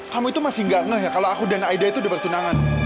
kamu itu masih gak ngeh ya kalau aku dan aida itu dapat tunangan